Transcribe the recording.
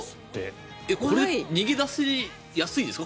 これ逃げ出しやすいですか？